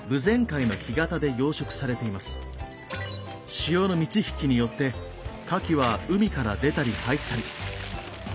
潮の満ちひきによってカキは海から出たり入ったり。